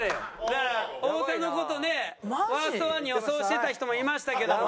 だから太田の事ねワースト１に予想してた人もいましたけども。